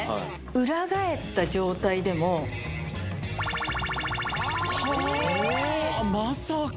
裏返った状態でもはあまさか